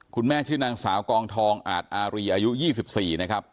คุณแม่ชื่อนางสาวกองทองอาตอารีอายุยี่สิบสี่นะครับ